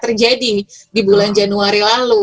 terjadi di bulan januari lalu